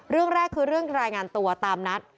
เรื่องแรกคือเรื่องรายงานตัวตามนัด